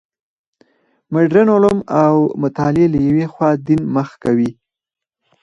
مډرن علوم او مطالعې له یوې خوا دین مخ کوي.